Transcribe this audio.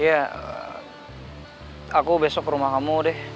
ya aku besok ke rumah kamu deh